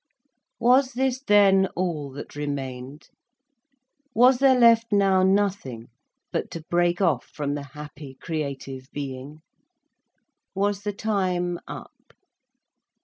Was this then all that remained? Was there left now nothing but to break off from the happy creative being, was the time up?